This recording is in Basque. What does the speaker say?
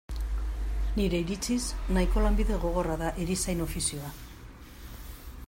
Nire iritziz, nahiko lanbide gogorra da erizain ofizioa.